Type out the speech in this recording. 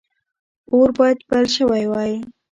اور باید بل شوی وای.